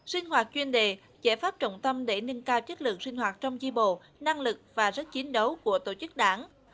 sinh hoạt chuyên đề giải pháp trọng tâm để nâng cao chất lượng sinh hoạt trong chi bộ năng lực và sức chiến đấu của tổ chức đảng